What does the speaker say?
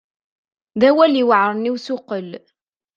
D awal iweɛren i usuqel.